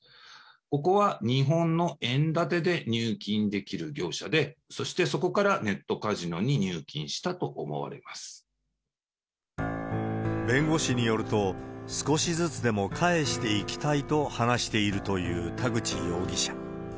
ここは日本の円建てで入金できる業者で、そしてそこからネットカ弁護士によると、少しずつでも返していきたいと話しているという田口容疑者。